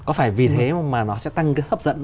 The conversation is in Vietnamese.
có phải vì thế mà nó sẽ tăng cái hấp dẫn